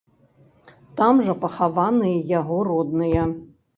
Там жа пахаваныя яго родныя.